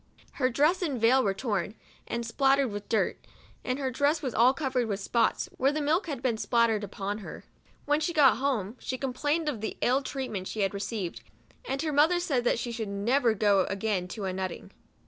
Her dress and veil were torn, and spattered with dirt, and her dress was all covered with spots, where the milk had been spattered upon her. When she got home, she complained of the ill treatment she had received ; and her mother said that she should never go again to a nut ting.